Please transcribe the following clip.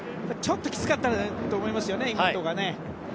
ちょっときつかったと思いますね。